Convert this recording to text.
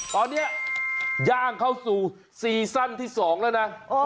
ตอนนี้ย่างเข้าสู่ซีซั่นที่๒แล้วนะ